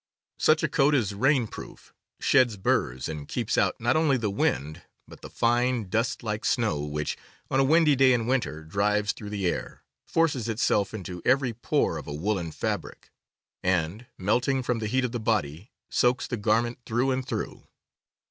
Such a coat is rain proof, sheds burs, and keeps out not only the wind but the fine, dust like snow which, on a windy day in winter, drives through the air, forces itself into every pore of a woolen fabric, and, melting from the heat of the body, soaks the garment through and through.